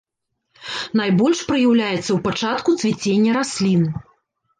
Найбольш праяўляецца ў пачатку цвіцення раслін.